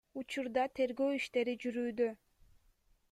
Учурда тергөө иштери жүрүүдө.